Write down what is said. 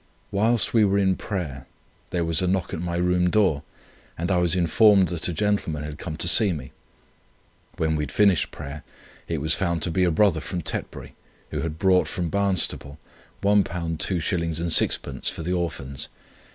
WHILST WE WERE IN PRAYER, there was a knock at my room door, and I was informed that a gentleman had come to see me. When we had finished prayer, it was found to be a brother from Tetbury, who had brought from Barnstaple £1 2s. 6d. for the Orphans.